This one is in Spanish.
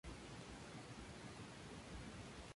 Es el más alto honor otorgado a un autor en Puerto Rico.